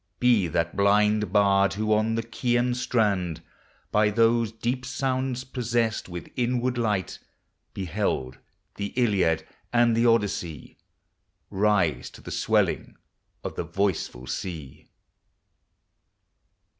Be that blind Bard, who on the Chian strand, By those deep sounds possessed with inward ligh Beheld the Iliad and the Odyssey Rise to the swelling of the voiceful sea.